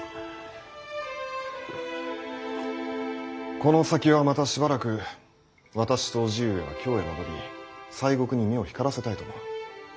この先はまたしばらく私と叔父上は京へ戻り西国に目を光らせたいと思う。